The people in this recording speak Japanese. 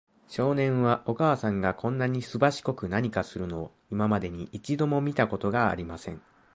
少年は、お母さんがこんなにすばしこく何かするのを、今までに一度も見たことがありません。